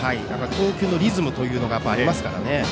投球のリズムというのがありますからね。